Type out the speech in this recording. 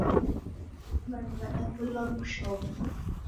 Wandu wadapoilwa ni kushoma.